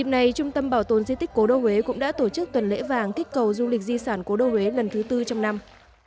này trung tâm bảo tồn di tích cố đô huế cũng đã tổ chức tuần lễ vàng kích cầu du lịch di sản cố đô huế lần thứ tư trong năm